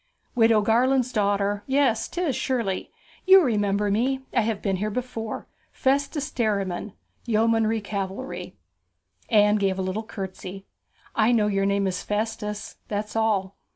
'Widow Garland's daughter! yes, 'tis! surely. You remember me? I have been here before. Festus Derriman, Yeomanry Cavalry.' Anne gave a little curtsey. 'I know your name is Festus that's all.'